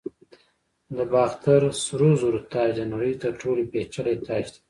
د باختر سرو زرو تاج د نړۍ تر ټولو پیچلی تاج دی